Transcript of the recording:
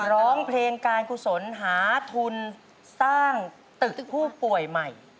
ร้องเพลงการกุศลหาทุนสร้างตึกผู้ป่วยใหม่